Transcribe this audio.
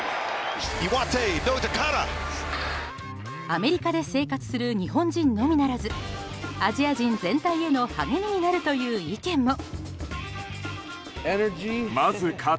アメリカで生活する日本人のみならずアジア人全体への励みになるという意見も。